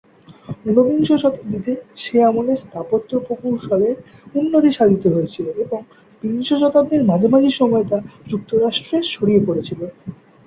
ঊনবিংশ শতাব্দীতে সে আমলের স্থাপত্য প্রকৌশলের উন্নতি সাধিত হয়েছিল এবং বিংশ শতাব্দীর মাঝামাঝি সময়ে তা যুক্তরাষ্ট্রে ছড়িয়ে পড়েছিল।